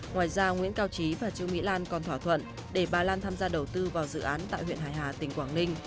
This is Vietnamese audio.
ngoài ra nguyễn cao trí và trương mỹ lan còn thỏa thuận để bà lan tham gia đầu tư vào dự án tại huyện hải hà tỉnh quảng ninh